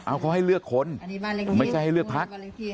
เอาเขาให้เลือกคนไม่ใช่ให้เลือกพัก